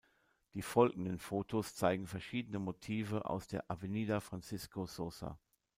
Die folgenden Fotos zeigen verschiedene Motive aus der Avenida Francisco Sosa.